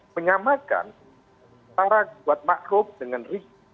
menyamakan cara buat makhluk dengan rigi